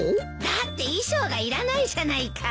だって衣装がいらないじゃないか。